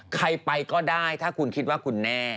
ใครไปก็ได้ถ้าคุณคิดว่าคุณแน่